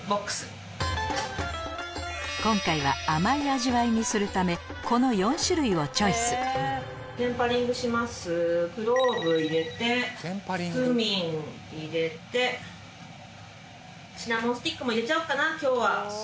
今回は甘い味わいにするためこの４種類をチョイスクローブ入れてクミン入れてシナモンスティックも入れちゃおっかな今日は。